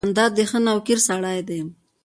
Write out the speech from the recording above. جانداد د ښه نویکر سړی دی.